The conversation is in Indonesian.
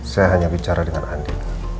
saya hanya bicara dengan andi